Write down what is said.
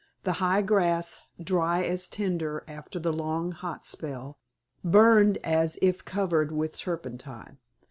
The high grass, dry as tinder after the long hot spell, burned as if covered with turpentine.